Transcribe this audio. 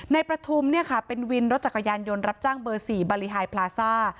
ประทุมเป็นวินรถจักรยานยนต์รับจ้างเบอร์๔บารีไฮพลาซ่า